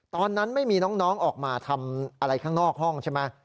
ตอนนั้นไม่มีน้องออกมาทำอะไรข้างนอกห้องใช่ไหม